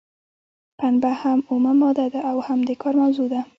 پنبه هم اومه ماده ده او هم د کار موضوع ده.